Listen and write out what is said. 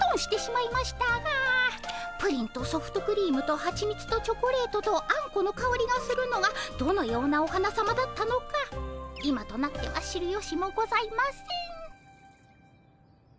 プリンとソフトクリームとはちみつとチョコレートとあんこのかおりがするのがどのようなお花さまだったのか今となっては知るよしもございません。